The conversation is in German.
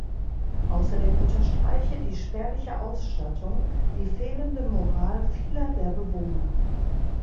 Außerdem unterstreiche die spärliche Ausstattung die fehlende Moral vieler der Bewohner.